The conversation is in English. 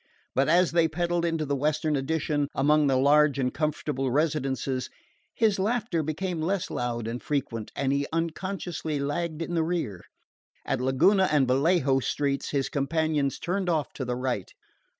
But as they pedaled into the Western Addition, among the large and comfortable residences, his laughter became less loud and frequent, and he unconsciously lagged in the rear. At Laguna and Vallejo streets his companions turned off to the right.